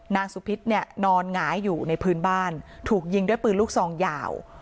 นางสุพิษเนี่ยนอนหงายอยู่ในพื้นบ้านถูกยิงด้วยปืนลูกซองยาว